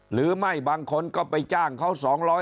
หรือไม่บางคนก็ไปจ้างเขา๒๐๐